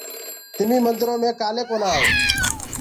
تمي مندرو مي ڪآلي ڪونآ آئو؟